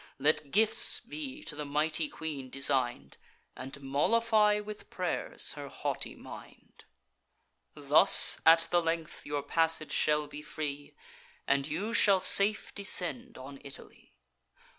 Let gifts be to the mighty queen design'd, And mollify with pray'rs her haughty mind. Thus, at the length, your passage shall be free, And you shall safe descend on Italy.